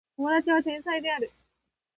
友達は天才である